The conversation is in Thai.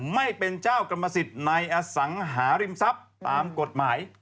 ไม่เป็นเจ้ากรรมสิทธิ์ในอสังหาริมทรัพย์ตามกฎหมาย